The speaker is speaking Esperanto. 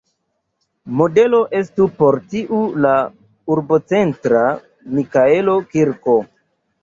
Modelo estu por tio la urbocentra Mikaelo-kirko.